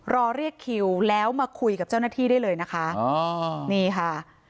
รอเรียกคิวแล้วมาคุยกับเจ้าหน้าที่ได้เลยนะคะอ๋อนี่ค่ะ